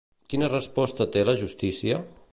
Quina resposta té la justícia?